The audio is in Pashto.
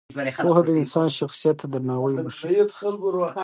پوهه د انسان شخصیت ته درناوی بښي.